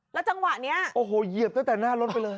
จังหวะนี้โอ้โหเหยียบตั้งแต่หน้ารถไปเลย